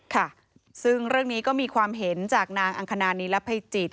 ค่ะซึ่งเรื่องนี้ก็มีความเห็นจากนางอังคณานีรภัยจิต